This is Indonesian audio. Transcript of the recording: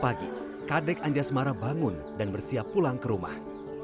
pagi kadek anjasmara bangun dan bersiap pulang ke rumah